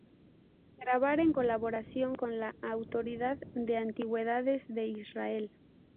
Grabar en colaboración con la Autoridad de Antigüedades de Israel.